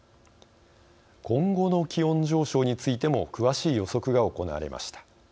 今後の気温上昇についても詳しい予測が行われました。